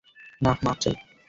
না, মাফ চাই।